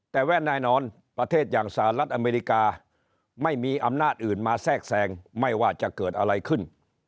แต่แว่นแน่นอนประเทศอย่างสหรัฐอเมริกาไม่มีอำนาจอื่นมาแทรกแซงไม่ว่าจะเกิดอะไรขึ้น